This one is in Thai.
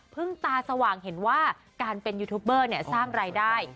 ตาสว่างเห็นว่าการเป็นยูทูบเบอร์สร้างรายได้